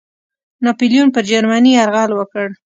ناپلیون پر جرمني یرغل وکړ.